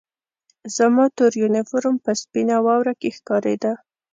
زما تور یونیفورم په سپینه واوره کې ښکارېده